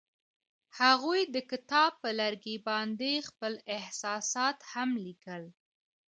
هغوی د کتاب پر لرګي باندې خپل احساسات هم لیکل.